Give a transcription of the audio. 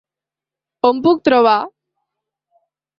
On puc trobar!?